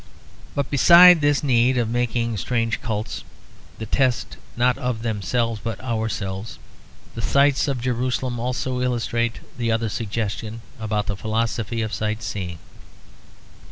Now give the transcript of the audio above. But besides this need of making strange cults the test not of themselves but ourselves, the sights of Jerusalem also illustrate the other suggestion about the philosophy of sight seeing.